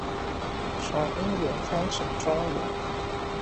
從英文翻成中文